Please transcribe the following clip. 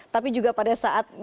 tapi juga pada saat